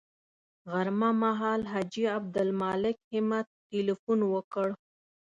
غرمه مهال حاجي عبدالمالک همت تیلفون وکړ.